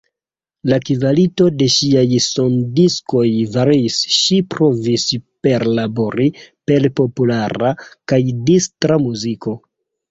La kvalito de ŝiaj sondiskoj variis; ŝi provis perlabori per populara kaj distra muziko.